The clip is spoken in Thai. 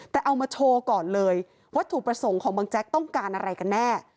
แต่เอามาโชว์ก่อนเลยวัตถุประสงค์ของบังแจ๊กต้องการอะไรกันแน่